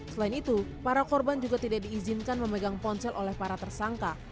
selain itu para korban juga tidak diizinkan memegang ponsel oleh para tersangka